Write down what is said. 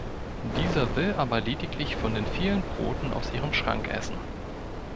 Dieser will aber lediglich von den vielen Broten aus ihrem Schrank essen.